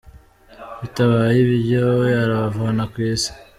Bitabaye ibyo, we arabavana ku isi !